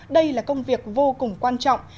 đây là công việc vô cùng quan trọng